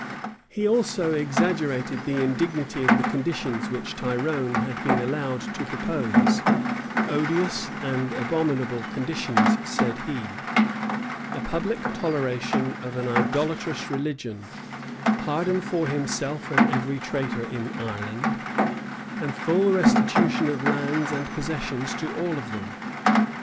He also exaggerated the indignity of the conditions which Tyrone had been allowed to propose; odious and abominable conditions, said he; a public toleration of an idolatrous religion, pardon for himself and every traitor in Ireland, and full restitution of lands and possessions to all of them.